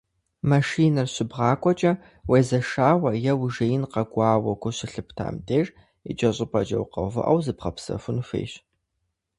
Машинэ щыбгъакӏуэкӏэ, уезэшауэ е уи жеин къэкӏуауэ гу щылъыптам деж, икӏэщӏыпӏэкӏэ укъэувыӏэу, зыбгъэпсэхун хуейщ.